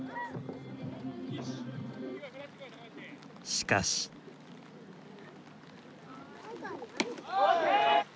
しかし。・ＯＫ！